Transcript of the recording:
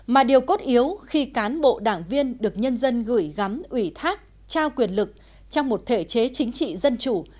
mà điều cốt yếu khi cán bộ đảng viên được nhân dân gửi gắm ủy thác trao quyền lực trong một thể chế chính trị dân chủ